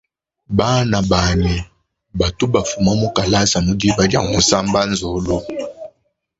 Bana banyi batu ba fuma mukalasa mudiba dia musamba nzolu.